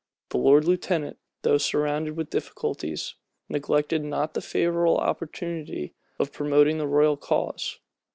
The lord lieutenant, though surrounded with difficulties, neglected not the favorable opportunity of promoting the royal cause.